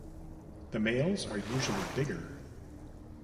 The males are usually bigger.